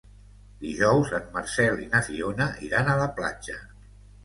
Dijous en Marcel i na Fiona iran a la platja.